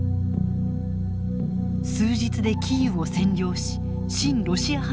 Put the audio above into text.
数日でキーウを占領し親ロシア派の政権を樹立。